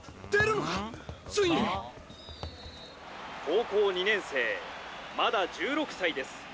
「高校２年生まだ１６歳です。